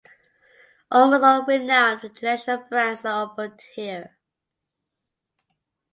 Almost all renowned international brands are offered here.